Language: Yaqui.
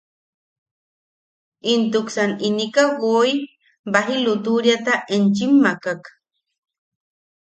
Intuksan inika woi, baji lutuʼuriata enchim makak.